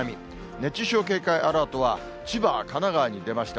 熱中症警戒アラートは、千葉、神奈川に出ました。